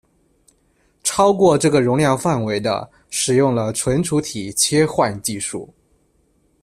超过这个容量范围的使用了存储体切换技术。